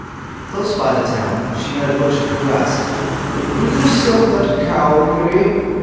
Close by the town she met a butcher, who asked: "Will you sell that cow, Goody?"